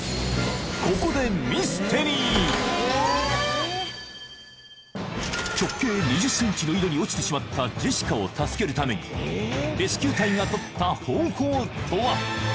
ここでミステリー直径２０センチの井戸に落ちてしまったジェシカを助けるためにレスキュー隊がとった方法とは？